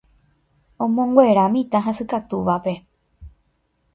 omonguera mitã hasykatúvape